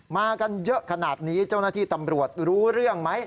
มากันเยอะขนาดนี้เจ้าหน้าที่ตำรวจรู้เรื่องไหม